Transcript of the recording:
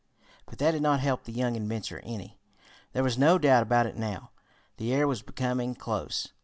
But that did not help the young inventor any. There was no doubt about it now the air was becoming close.